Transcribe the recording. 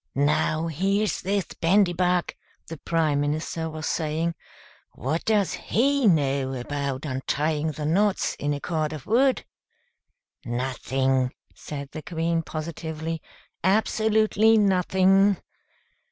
"Now, here's this Bandybug," the Prime Minister was saying. "What does he know about untying the knots in a cord of wood?" "Nothing!" said the Queen, positively. "Absolutely nothing!"